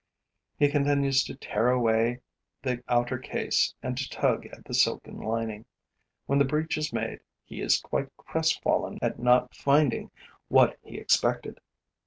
He continues to tear away the outer case and to tug at the silken lining. When the breach is made, he is quite crestfallen at not finding what he expected.